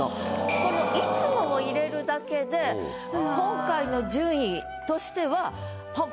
この「いつも」を入れるだけで今回の順位としては。